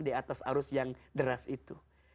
di atas arus yang deras itu